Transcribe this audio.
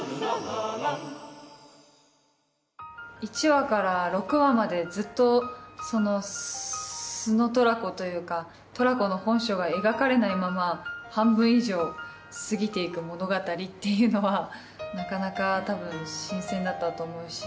１話から６話までずっと素のトラコというかトラコの本性が描かれないまま半分以上過ぎて行く物語っていうのはなかなか多分新鮮だったと思うし。